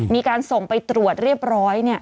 มีการส่งไปตรวจเรียบร้อย